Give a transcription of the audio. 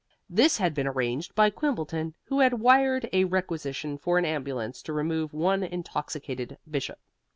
This had been arranged by Quimbleton, who had wired a requisition for an ambulance to remove one intoxicated bishop.